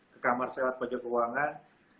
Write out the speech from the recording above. ke kamar saya di pojok ruangan